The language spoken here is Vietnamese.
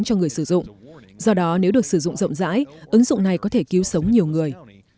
các ứng dụng do đó nếu được sử dụng rộng rãi ứng dụng này có thể cứu sống nhiều người